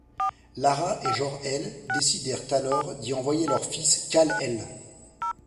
Lara & Jor-El décidèrent alors d'y envoyer leur fils Kal-El.